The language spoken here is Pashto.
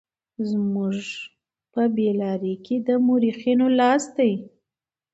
زموږ په بې لارۍ کې د مورخينو لاس دی.